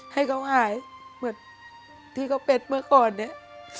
ให้เขาหายเหมือนที่เขาเป็นเมื่อก่อนเนี่ย